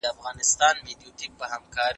سړي سر ګټه بايد د معيار په توګه وکارول سي.